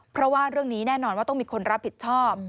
เพราะว่าเรื่องนี้แน่นอนว่าต้องมีคนรับผิดชอบ